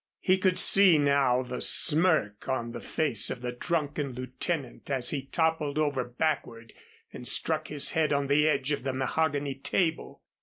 He could see now the smirk on the face of the drunken lieutenant as he toppled over backward and struck his head on the edge of the mahogany table.